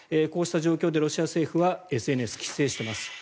こうした状況でロシア政府はＳＮＳを規制しています。